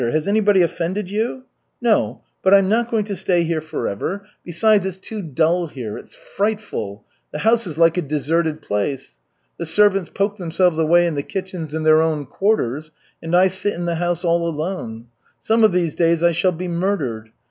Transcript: Has anybody offended you?" "No, but I'm not going to stay here forever. Besides, it's too dull here it's frightful. The house is like a deserted place. The servants poke themselves away in the kitchens and their own quarters, and I sit in the house all alone. Some of these days I shall be murdered.